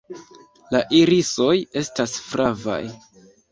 La irisoj estas flavaj.